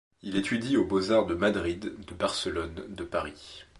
Il étudie aux Beaux-Arts de Madrid, de Barcelone, de Paris.